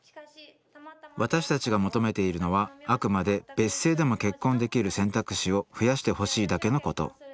私たちが求めているのはあくまで別姓でも結婚できる選択肢を増やしてほしいだけのこと。